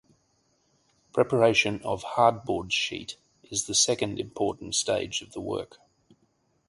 Preparation of hardboard sheet is the second important stage of the work.